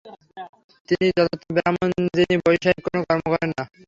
তিনিই যথার্থ ব্রাহ্মণ, যিনি বৈষয়িক কোন কর্ম করেন না।